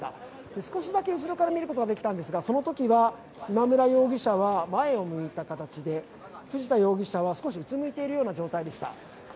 少しだけ後ろから見ることができたんですが、そのときは今村容疑者は前を向いた形で藤田容疑者は少しうつむいているような状態でした。